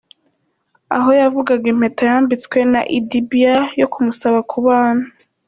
Aho yavugaga impeta yambitswe na Idibia yo kumusaba kubana.